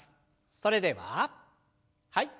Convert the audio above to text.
それでははい。